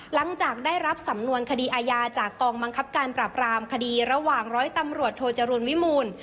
หลังจากได้รับสำนวนคดีอาญาจากกองบังคับการปราบรามคดีระหว่างร้อยตำรวจโทจรูลวิมูล